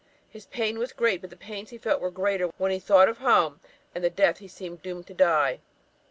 His pain was great; but the pangs he felt were greater when he thought of home, and the death he seemed doomed to die.